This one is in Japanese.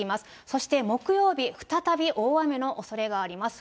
そして木曜日、再び大雨のおそれがあります。